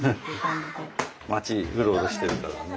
町うろうろしてるからね。